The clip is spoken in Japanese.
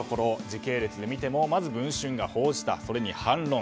時系列で見てもまず「文春」が報じそれに反論。